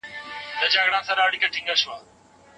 مېلمنو ته ترش مخ نه نیول کېږي.